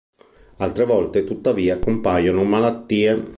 Altre volte, tuttavia, compaiono malattie.